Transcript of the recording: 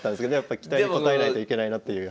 期待に応えないといけないなという。